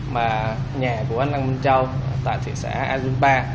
mà nhà của anh lăng minh châu tại thị xã azumba